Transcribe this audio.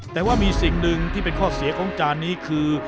แต่ว่ามีสิ่งหนึ่งที่เป็นข้อเสียของจานนี้คือ